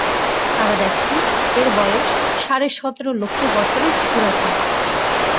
তারা দেখেন, এর বয়স সাড়ে সতের লক্ষ বছরের পুরাতন।